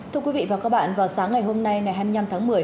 thưa quý vị và các bạn vào sáng ngày hôm nay ngày hai mươi năm tháng một mươi